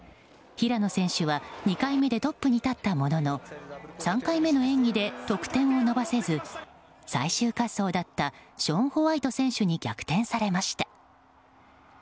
平野選手は２回目でトップに立ったものの３回目の演技で得点を伸ばせず最終滑走だったショーン・ホワイト選手に逆転されました。